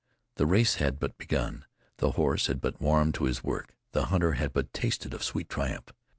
The race had but begun; the horse had but warmed to his work; the hunter had but tasted of sweet triumph.